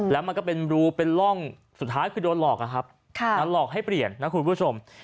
แล้วมันก็เป็นรูเป็นร่องสุดท้ายคือโดนหลอกอะครับหลอกให้เปลี่ยนนะคุณผู้ชม